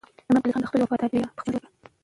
امام قلي خان د خپلې وفادارۍ بیه په خپل ژوند ورکړه.